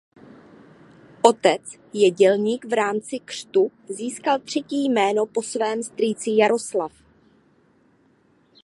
Otec je dělník.V rámci křtu získal třetí jméno po svém strýci Jaroslav.